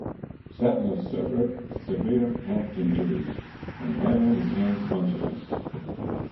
Sadler suffered severe head injuries and never regained consciousness.